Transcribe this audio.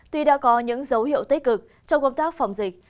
tuy đã có những dấu hiệu tích cực trong công tác phòng dịch